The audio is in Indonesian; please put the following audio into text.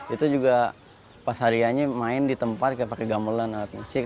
itu juga pas harianya main di tempat kayak pakai gamelan alat musik